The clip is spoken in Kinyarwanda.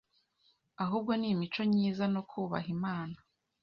Ahubwo ni imico nyiza no kubaha imana